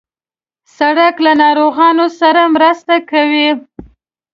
سړک له ناروغانو سره مرسته کوي.